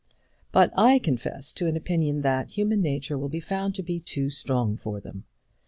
But I confess to an opinion that human nature will be found to be too strong for them.